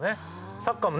サッカーもね